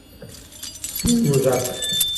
سپین موږک 🐁